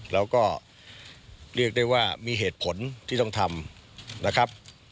แล้วก็เรียกได้ว่ามีเหตุผลที่ต้องทำนะครับ